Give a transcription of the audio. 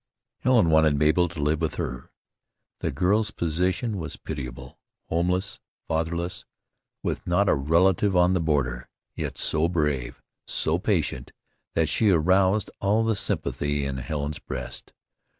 Helen wanted Mabel to live with her. The girl's position was pitiable. Homeless, fatherless, with not a relative on the border, yet so brave, so patient that she aroused all the sympathy in Helen's breast.